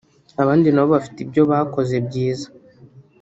abandi na bo bafite ibyo bakoze byiza